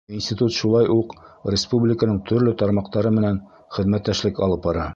Институт шулай уҡ республиканың төрлө тармаҡтары менән хеҙмәттәшлек алып бара.